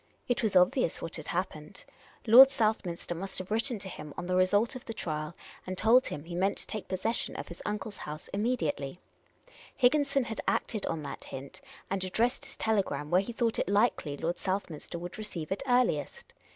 It was obvious what had happened. Lord Southminster must have written to him on the result of the trial, and told him he meant to take possession of his uncle's house im mediately. Higginson had acted on that hint, and addressed his telegram where he thought it likely Lord Southminster would receive it earliest.